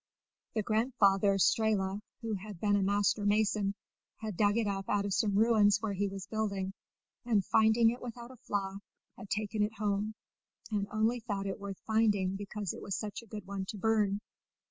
The grandfather Strehla, who had been a master mason, had dug it up out of some ruins where he was building, and, finding it without a flaw, had taken it home, and only thought it worth finding because it was such a good one to burn.